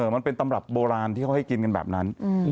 มันเป็นตำรับโบราณที่เขาให้กินกันแบบนั้น